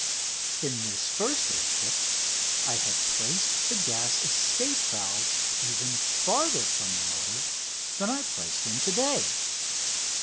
4] In this first air ship I had placed the gas escape valves even farther from the motor than I place them to day.